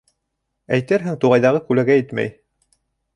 Әйтерһең, туғайҙағы күләгә етмәй.